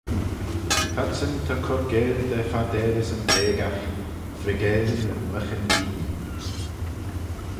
T'adsyn, ta cur geill da fardalyssyn breagagh, treigeil nyn myghin hene.